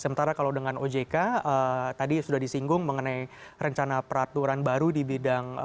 sementara kalau dengan ojk tadi sudah disinggung mengenai rencana peraturan baru di bidang